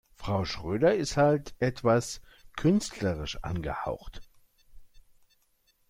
Frau Schröder ist halt etwas künstlerisch angehaucht.